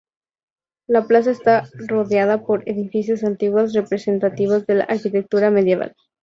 La plaza está rodeada por edificios antiguos representativos de la arquitectura medieval.